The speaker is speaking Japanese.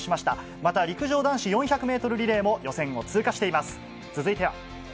また陸上男子４００ｍリレーも予選を通過しています。